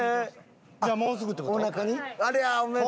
じゃあもうすぐって事？